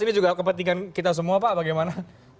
ini juga kepentingan kita semua pak bagaimana